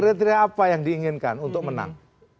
kriteria apa yang diinginkan untuk menang